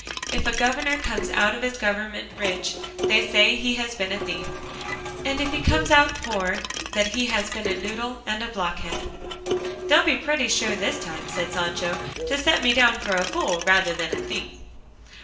If a governor comes out of his government rich, they say he has been a thief; and if he comes out poor, that he has been a noodle and a blockhead." "They'll be pretty sure this time," said Sancho, "to set me down for a fool rather than a thief."